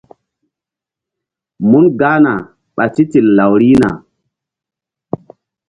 Mun gahna ɓa titil law rihna.